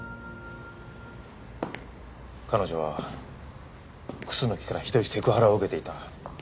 彼女は楠木からひどいセクハラを受けていた。